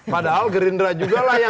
padahal gerindra juga lah yang